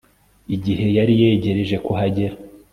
igihe yari yegereje kuhagera